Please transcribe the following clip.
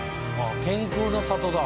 天空の里だ。